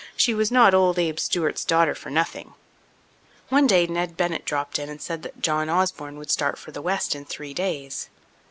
She was not old Abe Stewart's daughter for nothing. One day Ned Bennett dropped in and said that John Osborne would start for the west in three days.